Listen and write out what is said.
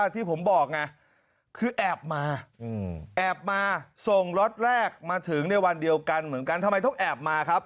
ที่ผมบอกไงคือแอบมา